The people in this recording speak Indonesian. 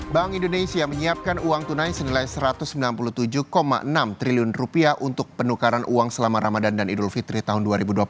bank indonesia menyiapkan uang tunai senilai rp satu ratus sembilan puluh tujuh enam triliun untuk penukaran uang selama ramadan dan idul fitri tahun dua ribu dua puluh satu